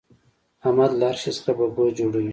احمد له هر شي څخه ببو جوړوي.